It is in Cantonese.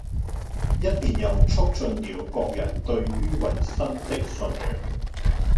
一面又促進了國人對于維新的信仰。